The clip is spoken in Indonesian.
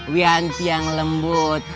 wianti yang lembut